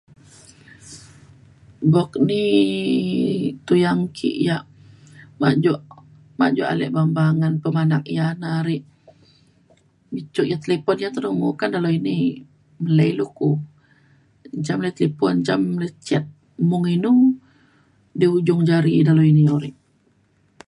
bok ni tuyang ki yak majo majo alek bangen pemanak iya na ri cuk iya telepon iya teremu ya ke dalau inik belei lu ku encam le telepon encam le chat mung inu di ujung jari dalau ini ore.